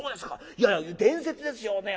いやいや伝説ですよね。